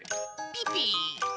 ピピ。